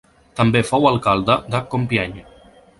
També fou alcalde de Compiègne.